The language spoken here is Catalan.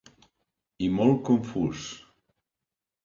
I molt confús.